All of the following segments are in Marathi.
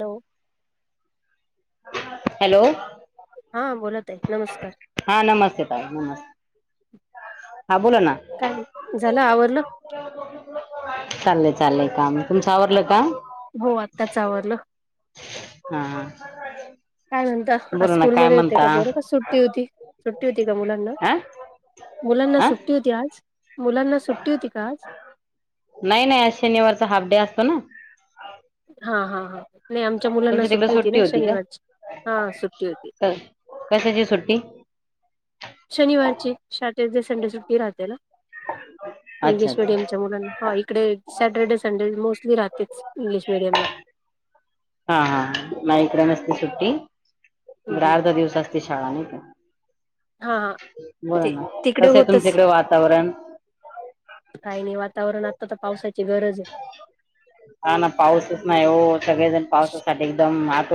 Hello- hello? हा बोलत आहे नमस्कार हा नमस्ते ताई नमस्ते हो. काय झालं आवरलं.. चालय काम तुमच आवरलं का? हो आत्ताच आवलं- हा ह काय म्हणता आज स्कूलमध्ये होते का बोरो का सुट्टी होती सुट्टी होती का, मुलांना आ मुलांना आ सुट्टी, होती आज मुलांना सुट्टी होती का आज नाही नाही आज शनिवारचा हाफ डे असतो ना हा हा हा.. नाही आमच्या मुलांना तुमच्या तिकडे सुट्टी होती ना का शनिवारची हा सुट्टी होती कशाची सुट्टी [unintelligible] इंग्लि अच्छा अच्छा मिडियमच्या मुला ह इकडे सॅटरडे संडे मोस्टली राहते इंग्लिश मिीडियमला हा हा नाही इकडे नसते सुट्टी हं बर हं. अर्ध दिवस असत का हा बोला ते ना तिकडे कसं आहे तुमच्या होतच इकडे वातावरण काही नाही वातावरण आ आतत पावसाची गरज आहे हा ना पाऊसच नाही हो सगळेजण पावसासाठी एकदम हात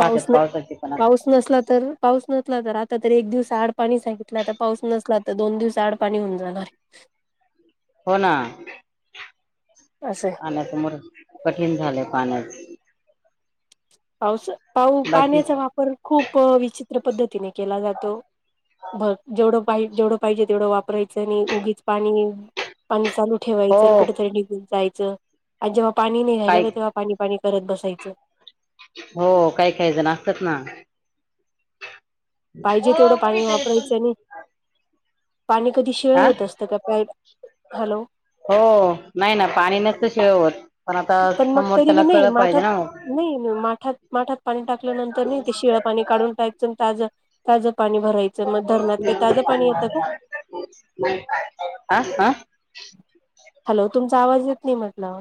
पाऊस न पाऊस नसला तर पाऊस नसला तर आता तररी एक दिवस आड पाणी सांगितलं आता पाऊस नसला तर दोन दिवस आड पाणी होऊन जाणार हो ना आहे. असं पाण्यासमोर कठीण झालंय पाण्यास हस पाऊ बाकी पाण्याचा वापर खूप विचित्र पद्धतीने केला जातो जेवढ जेवढं पाहिजे तेवढं वापरायचं आणि उगीच पाणी पाणी चालू ठेवायचं हो कुठेतरी निघून जायचं अज बा पाणी नाही काही राहिलाग तेव्हा पाणी पाणी करत बसायचं हो काय कायचण असतात ना पाहिजे तेवढं पाणी वापरायचं आणि पाणी कधी शिळ हा होत असतं का प्या हॅलो हो नाही ना पाणी नसत शवत पण मग तरीी नाही माठात नाही माठात माठात पाणी टाकल्यानंतर नाही ते शिळं पाणी काढून टायचं ताज त्याज येतं का आा हा हॅलो तू तुमचा आवाज येत नाही म्हटला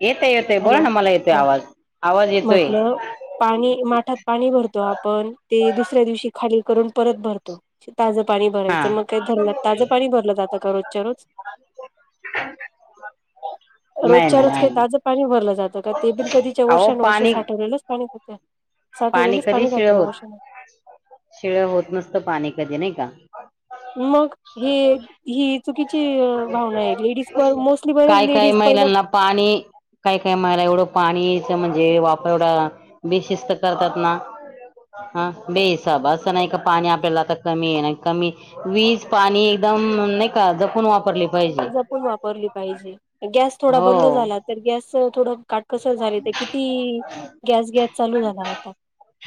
येत येतय बोला ना मला येतो आवाज आवाज येतोय म्हटलं पाणी माठात पाणी भरतो आपण ते दुसऱ्या दिवशी खाली करून परत भरतो ताजं पाणी हा भरायचं मग काही धरला ताजं पाणी भरलं जातं का रोजच्या रोज नाही रोजच्या ना रोज काही नाही ताजं ना पाणी भरलं जात ते बी कधीच्या वश अहो वर्ष पाणी साठवलेलंच पाणी पाणी साठवलेलेच कधी शिळ राहते ना होत वर्षान शिळ होत नसत पाणी कधी नाही का मग हे ही चुकीची भावना आहे मोस्टली बर काय काय लेडीज पहिलं महिलांना पाणी काय काय महिला एवढं पाणीच म्हणजे वापर तेएवढं बेशिस्त करतात हा बेहिसाब अस नाही पाणी आपल्याला कमी हाय का कमी वीज पाणी एकदम नाही का जपून वापरले जपून वापरली पाहिजे गॅस थोडा हो बंद झाला तर गॅस थोड काटकसर झाले ते किती गॅस गॅस चालू झाला होता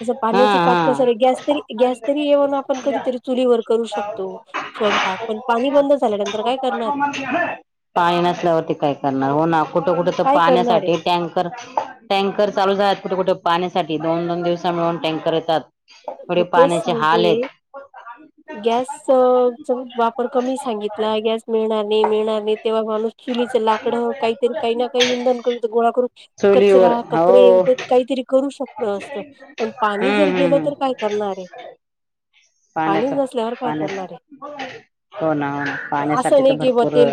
तस हा पाण्याची काटकसर गॅस तरी हा गॅस तरी येऊन आपण कधीतरी चुलीवर करू शकतो स्वयंपाक पण पाणी बंद झाल्यानंतर काय करणार आहे पाणी नसल्यावरती काय करणार हो ना कुठं कुठं तर काय करणार आहे पाहण्यासाठी टँकर चालू झाल कुठे कुठे पाण्यासाठी दोन दोन दिवसा मिळून टँकर येतात येवडे पाण्याचे हाल आहेत गॅस वापर कमी सांगितला गॅस मिळणार नाही मिळणार नाहीत चूलीच लाकड काहीतरी काही ना काही इंधन करून गोळा करून चुलीवर कचरा कपडे हो एक काहीतरी करू शकत असत पण पाणी जर हम्म गेलं हम्म तर काय करणार आहे. पाणीच पाण्याचा नसल्यावर काय पाण्या करणार आहे हो ना हो ना पाण्यासाठी असं तर नाही कि ब भरपूर तेल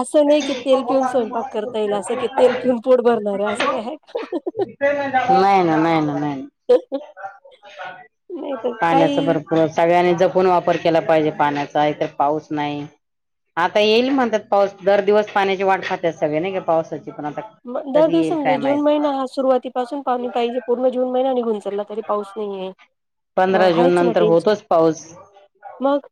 असं नाही की तेल पिऊन स्वयंपाक करता येईल असं की तेल पिऊन पोट भरणार आहे असं काय आहे का नाही ना नाही ना नाही ना नाही तर पाण्या काही सगळ्यांनी जपून वापर केला पाहिजे पाण्याचा इतर पाऊस नाही आता येईल म्हणतात पाऊस दर दिवस पाण्याची वाट पाहतात सगळे नाही का पाऊस दर दिवस म्हणजे जून महिना हा सुरुवातीपासून पाणी पाहिजे पूर्ण जून महिना निघुन पडला तरी पाऊस नाहीे. पंधरा जून नंतर होतोच पाऊस. मग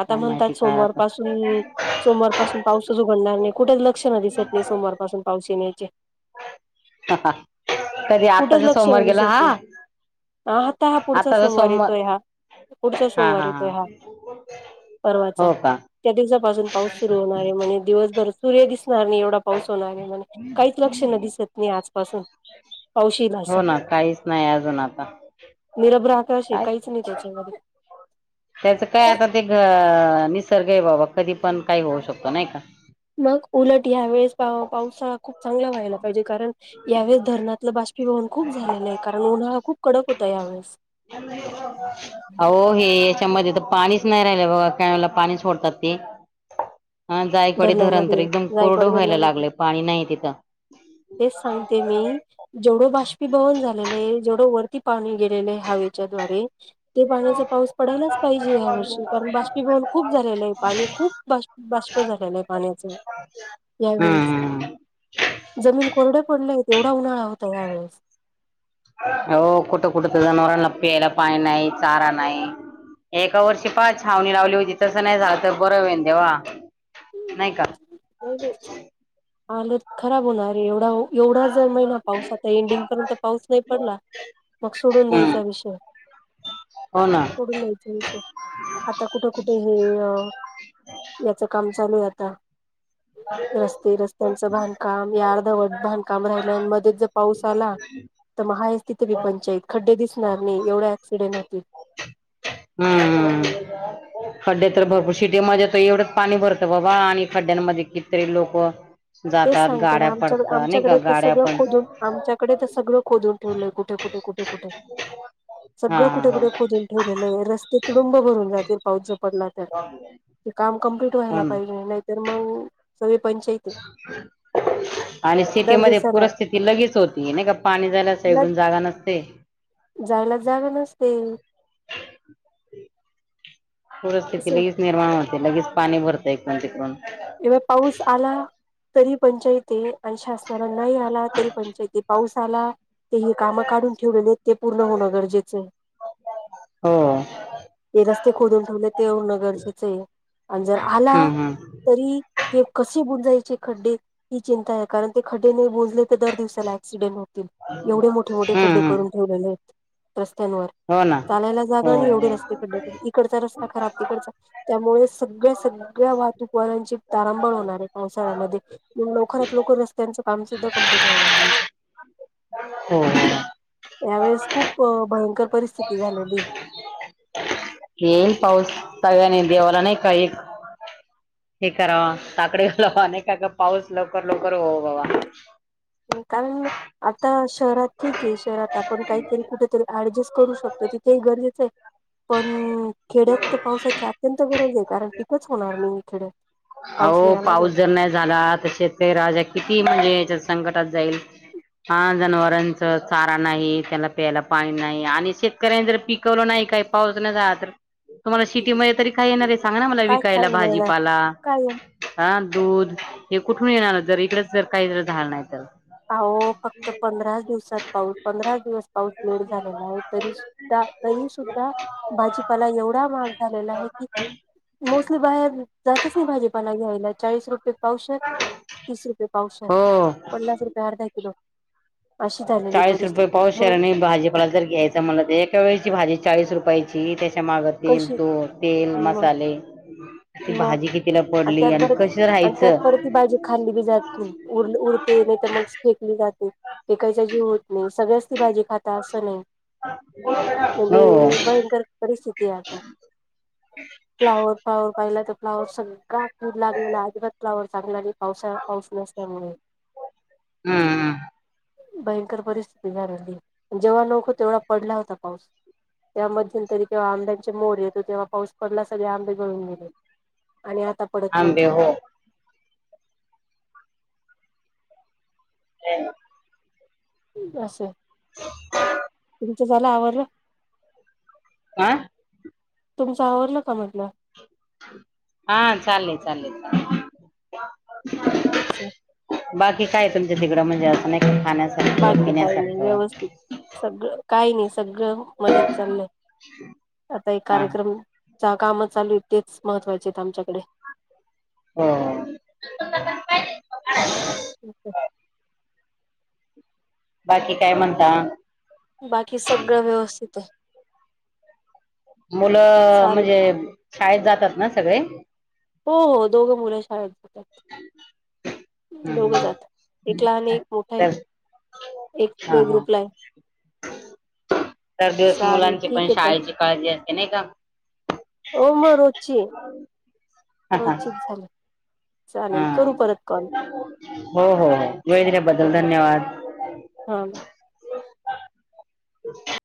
आता माहिती म्हणतात काय सोमवार आता पाासून सोमवार पासून पाऊसच उघडणार नाही. कुठल? लक्षण दिसत नाही सोमवार पासून पाऊस येण्याचे कधी कुठच आताचा सोमवार लक्षण गेला दिसत नाही हा हा आता हा पुढचा सोमवार येतोय हा पुढचा सोमवार येतोय हा परर्वाचा हो का त्या दिवसा पाऊस सुर होणार म्हणे दिवसभर सूर्य दि नाही एवढा पाऊस होणार आहे म्हणे काहीच लक्षन दिसत नाही आजपासून पावस येईल असा हो ना काहीच नाही अजून आता निरभ्र आकाश आहे काहीच नाही त्याच्यामध्ये त्याच काय आता ते निसर्ग आहे बाबा कधी पण काही होऊ शकतो नाही का? मग उलट या वेळेस पावसाळा खूप. चांगला व्हायला पाहिजे कारण यावेळेस धरणातलं बाष्पीभवन खूप झालेला आहे कारण उन्हाळा खूप कडक हुतया हो हे च्या म तर पाणीच नाही राहिलं ब कला पाणी सोडतात ते हा जायकवाडी धरण तर धरणामध्ये एकदम जायकवाड कोरडं व्हायला धरणामध्ये लागलंय पाणी नाही तिथं तेच सांगते मी जेवढं बाष्पीभवन झालेलंय जेवढ वर पाणी गेलेले आहे हवेच्या द्वारे ते पाण्याचा पाऊस पडायलाच पाहिजे या वर्षी कारण बाष्पीभवन खूप झालेलं आहे पाणी खूप बा बा झा पाण्या यावे जमीन कोरड्या पडल्या आहेत तेवढा उन्हाळा होता यावेेळेस हो कुठं कुठं तर जनावरांना प्यायला पाणी नाही चारा नाही एका वर्षी पाच छावणी लावली होती तसं नाही झालं तर बरं होईन देवा. नाही का? हालत खराब होणार आहे एवढा हो. एवढा जर महिना पाऊस आता एंडिंग पर्यंत पाऊस नाही पडला. मग सोडून हम्म द्यायचा विषय हो ना सोडून द्यायचा विषय आता कुठं कुठे हे याच चालू ये आता. रस्ते, रस्त्यांच बांधकाम, यार्धवड बांधकाम राहिलं मध्येच जर पाऊस आला तर महा आहेस तिथे बी पंचायत खड्डे दिस नाही एवढ्या ऍक्सिडेंट होती हम्म हम् खड्डे तर भरपूर शिटीमध्येज येत एवढंच पाणी भरतं बाबा आणि खड्ड्यांमध्ये कितरी लोक तेच जातात सांगतय गाड्या ना, आमच्या पडतात नाही का आमच्याकडे तर गाड्या सगळं पण खोदून आमच्याकडे तर सगळं खोदून ठेवलंय कुठे, कुठे, कुठे, कुठे हा सगळं कुठे, हा कुठे खोदून ठेवलेलं आहे रस्ते तुडुंब भरून जातील पाऊस ज पडला तर ते काम कमप्लीट हो व्हायला ना पाहिजे नाहीतर मग सगळी पंचाईत आणि सिटी दर मदीं दिवसाला पूरस्थिती लगेच होती नाही का पाणी जायला साइडून जागा नसते जायला जागा नसते पूस्थिती तस लगेच निर्माण होत ते लगेच पाणी इकडून तिकडून एव पाऊस आला तरी पंचाईत ये आणि शासनाला नाही आला तरी पंचाईत पाऊस आला तेही काम काढून ठेवलेले ते पूर्ण होणं गरजेचं आहे हो ते रस्ते खोदून ठेवले ते होणं गरजेचं आहे आणि जर आला हम्म हम्म ही कशे बुंजायचे खड्डे ही चिंता कारण ते खड्डे? तर दर दिवसाला ऍक्सिडेंट होतील एवढे मोठे मोठे हम्म खड्डे हम्म करून ठेवलेले ये रस्त्यांवर हो ना चालायला जागा हो आणि एवढे हो रस्तेकडडे इकडचा रस्ता खराब तिकडचा त्यामुळे सगळ्या सगळ्या वाहतूक पोरांची तारांबळ होणार आहे पावसाळ्यामध्ये, लवकरात लवकर रस्त्यांच काम सुद्धा कंप्लीट व्हायला पाहिजे. हो हो. यावेेळेस खूप भयंकर परिस्थिती झालेली. येईन पाऊस सगळ्यानी देवाला नाही का हे कराव साकडे घलावा नाही का का पाऊस लवकर लवकर हो बाबा. कारण आता शहरात ठीक आहे शहरात आपण काहीतरी कुठेतरी ऍडजस्ट करू शकतो तिथेही गरजेचं आहे पण खेड्यात तर पावसाची अत्यंत गरज आहे कारण पिकच होणार नाही खेड्यात आहो नाही आला तर पाऊस जर नाही झाला तर शेतकरी राजा किती म्हणजे? संकटात जाईल हा जनावरांच चारा नाही त्याना प्यायला पाणी नाही आणि शेतकऱ्यांनी जर पिकवलं नाही काही पाऊस न झा तर तुम्हाला शिटीमध्येध्ये तरी काय येणार आहे सांग ना मला काय विकायला खायला मिळणार भाजीपाला काय दूध हे कुठून येणार जर इकडच जर काही जर झालं नाही तर? आहो, फक्त पंधराच दिवसात पाऊस पंधरा दिवस पाऊस लेट झालेला आहे तरी तरी सुद्धा भाजीपाला एवढा महाग झालेला आहे कि मोस्टली बाहेर जातच नाही भाजीपाणा घ्यायला चाळीस रुपये पावशर तीस रुपये पावशर, हो पन्नास रुपये किलो अशी झालेली चाळीस रुपये परिस्थिती म्हणून पावशर भाजीपाला जर घ्यायचं म्हण तर एका वेळेची भाजी चाळीस रुपयाची मागं तेल कशी तो तेल म मसाले ती मग भाजी कितीला आणि पडली त्यात पर कशी आणि त्यात राहायचं परती बाजी खाल्ली बी जात नाही उर उरते नाही तर मग फेकली जाते फेकायचा जीव होत नाही सगळ्याच ती भाजी खात असं नाही हो म्हणजे भयंकर परिस्थिती फ्लावर, फ्लावर पाहिला तर फ्लावर सगळळा कीड लागलेला आजीबात चांग औसा औष नसल्यामुळे हम्म भयंकर परिस्थिती झालेली जेव्हा लोक हो तेवढा पडला होता पाऊस त्या मध्य तरीव्हा आं्या मोर येतो तेव्हा पाऊस पडला सगळे आंबे गळून गेले आणि आता पडत नाही आंबे हो ह अस अस [unintelligible] [unintelligible] तुमचं झालं आवडलं आं तुमच आवरलं का म्हटलं हा चाले चालेल अच्छा बाकी काय तुमच्या तिकडं म्हणजे असं नाही का खाण्यासारखं बाकी काही नाही पिण्यासारखं व्यवस्थित सगळं काही नाही सगळं मजेत चाललं आता एक हा कार्यक्रम काम चालू आहे तेच महत्त्वाचे आमच्याकडे ह ठीक आहे बाकी काय म्हणता बाकी सगळं व्यवस्थित ते मुलं म्हणजे शाळेत जातात ना सगळे हो हो दोघं मुलं शाळेत हम्म दोघचात एक लहान एक मोठ आहे तर एक हा प्ले हा ग्रुपला आहे तर दिवस चालेल मुलांची पण ठीक आहे ताई शाळेची काळजी असते नाही का हो म र हा हा चित झाले चालेल हा करू परत कॉल हो हो हो वेळ चालेल दिल्याबद्दल ह ब धन्यवाद हा ब हो